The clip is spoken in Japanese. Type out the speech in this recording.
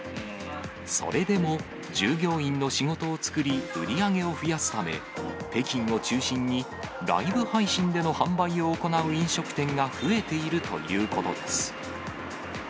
それでも従業員の仕事を作り、売り上げを増やすため、北京を中心にライブ配信での販売を行う飲食店が増えているということです。